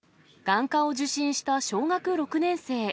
眼科を受診した小学６年生。